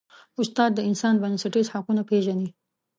استاد د انسان بنسټیز حقونه پېژني.